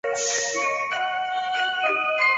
累官至广东按察司佥事。